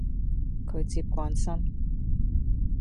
佢接慣生